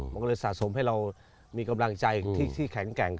มันก็เลยสะสมให้เรามีกำลังใจที่แข็งแกร่ง